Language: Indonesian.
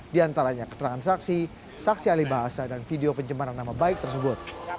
diantaranya keterangan saksi saksi alih bahasa dan video penyembaran nama baik tersebut